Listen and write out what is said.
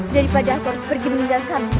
daripada aku harus pergi meninggalkan